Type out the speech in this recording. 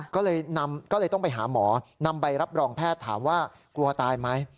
ก็เลยต้องไปหาหมอนำใบรับรองแพทย์ถามว่ากลัวตายไหม